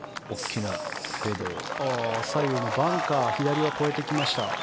左のバンカーは越えていきました。